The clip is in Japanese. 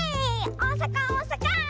おおさかおおさか！